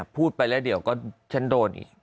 พูดไปแล้วเดี๋ยวก็ฉันโดนอีก